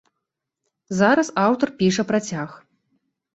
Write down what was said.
Зараз аўтар піша працяг.